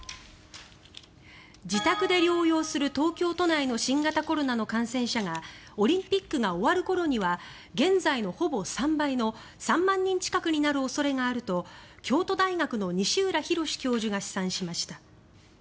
自宅で療養する東京都内の新型コロナの感染者がオリンピックが終わる頃には現在のほぼ３倍の３万人近くになる恐れがあると京都大学の西浦博教授が試算しました。